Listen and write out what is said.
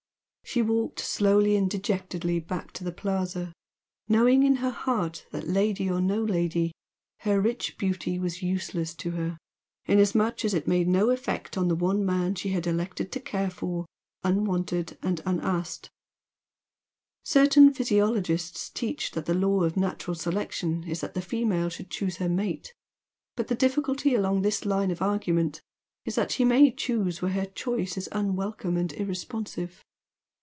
She walked slowly and dejectedly back to the Plaza, knowing in her heart that lady or no lady, her rich beauty was useless to her, inasmuch as it made no effect on the one man she had elected to care for, unwanted and unasked. Certain physiologists teach that the law of natural selection is that the female should choose her mate, but the difficulty along this line of argument is that she may choose where her choice is unwelcome and irresponsive.